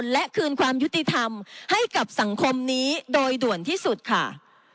และคืนความยุติธรรมให้กับสังคมนี้โดยด่วนที่สุดค่ะ